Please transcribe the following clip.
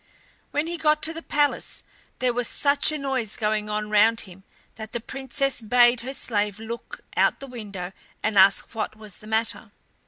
When he got to the palace there was such a noise going on round him that the Princess bade her slave look out the window and ask what was the matter.